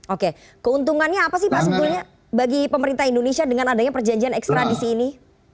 oke keuntungannya apa sih pak sebetulnya bagi pemerintah indonesia dengan adanya perjanjian ekstradisi ini